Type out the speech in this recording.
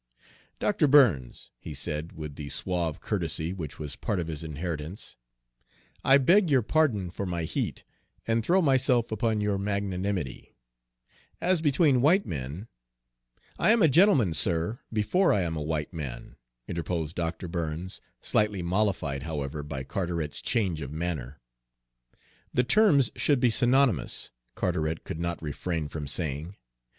"Dr. Burns," he said, with the suave courtesy which was part of his inheritance, "I beg your pardon for my heat, and throw myself upon your magnanimity, as between white men" "I am a gentleman, sir, before I am a white man," interposed Dr. Burns, slightly mollified, however, by Carteret's change of manner. "The terms should be synonymous," Carteret could not refrain from saying.